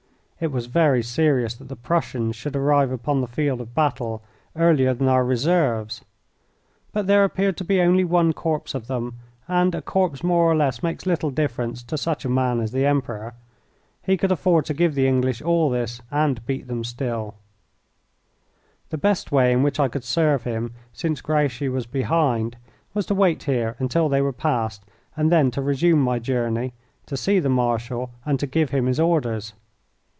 It was very serious that the Prussians should arrive upon the field of battle earlier than our reserves, but there appeared to be only one corps of them, and a corps more or less makes little difference to such a man as the Emperor. He could afford to give the English all this and beat them still. The best way in which I could serve him, since Grouchy was behind, was to wait here until they were past, and then to resume my journey, to see the Marshal, and to give him his orders.